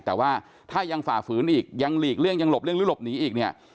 แต่ว่าถ้ายังฝ่าฝืนอีกยังหลีกเลี่ยยังหลบเลี่หรือหลบหนีอีกเนี่ย